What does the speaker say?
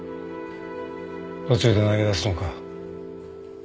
途中で投げ出すのか？